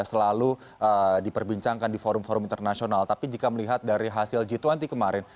selalu diperbincangkan di forum forum internasional tapi jika melihat dari hasil g dua puluh kemarin